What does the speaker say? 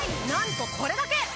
なんとこれだけ！